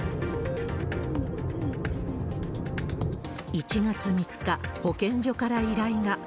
１月３日、保健所から依頼が。